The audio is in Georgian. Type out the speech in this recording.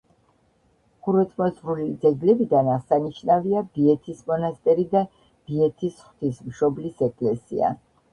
ხუროთმოძღვრული ძეგლებიდან აღსანიშნავია ბიეთის მონასტერი და ბიეთის ღვთისმშობლის ეკლესია.